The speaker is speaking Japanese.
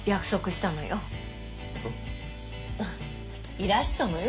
いらしたのよ